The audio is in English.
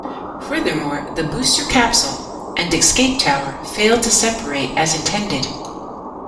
Furthermore, the booster, capsule and escape tower failed to separate as intended.